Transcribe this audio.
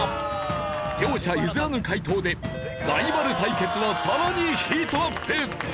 両者譲らぬ解答でライバル対決はさらにヒートアップ！